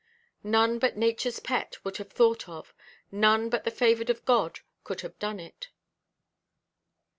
None but Natureʼs pet would have thought of, none but the favoured of God could have done, it.